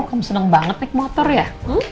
oh kamu seneng banget naik motor ya